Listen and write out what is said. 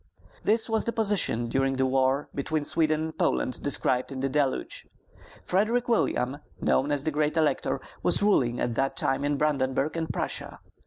This was the position during the war between Sweden and Poland described in THE DELUGE. Frederick William, known as the Great Elector, was ruling at that time in Brandenburg and Prussia.